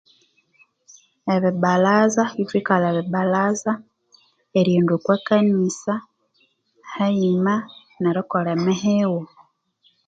Ebibbalaza ithwikala ebibbalaza erighenda oko kanisa haghuma nerikolha emighighu